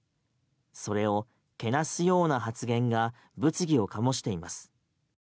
それをけなすような発言が物議を醸しています。